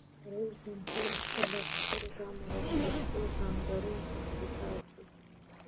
رئیس جمهور خپلو عسکرو ته امر وکړ؛ له خپلو سنگرونو څخه دفاع وکړئ!